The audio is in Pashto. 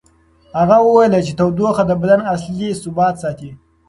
هغه وویل چې تودوخه د بدن اصلي ثبات ساتي.